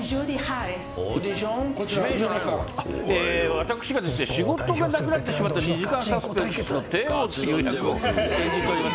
私が仕事がなくなってしまった２時間サスペンスの帝王という役を演じています